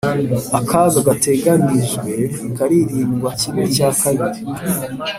akaga gateganijwe karirindwa kimwe cya kabiri.